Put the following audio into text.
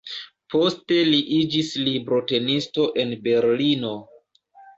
Poste li iĝis librotenisto en Berlino.